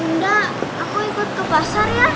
enggak aku ikut ke pasar ya